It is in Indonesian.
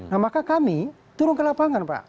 nah maka kami turun ke lapangan pak